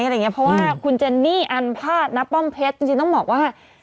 อย่างเงี้ยเพราะว่าคุณเจนี่อันพาดนะป้อมเพชรจริงจริงต้องบอกว่า